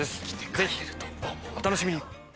ぜひお楽しみに。